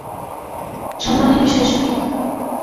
বলতে চাই অবশেষে তোমার সঙ্গে আলাপ হওয়া একটা সম্মানের বিষয়, সনিক।